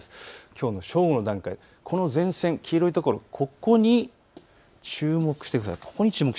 きょうの正午の段階、この前線、ここに注目してください。